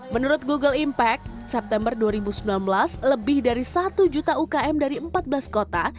menurut google impact september dua ribu sembilan belas lebih dari satu juta ukm dari empat belas kota